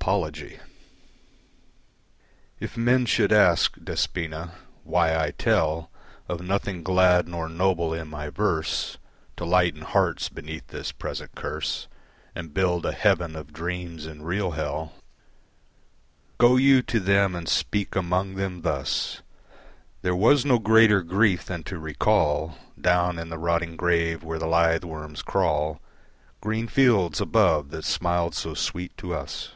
Apology If men should ask, Despoina, why I tell Of nothing glad nor noble in my verse To lighten hearts beneath this present curse And build a heaven of dreams in real hell, Go you to them and speak among them thus: "There were no greater grief than to recall, Down in the rotting grave where the lithe worms crawl, Green fields above that smiled so sweet to us."